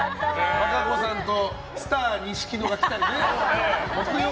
和歌子さんとスター錦野が来たりね。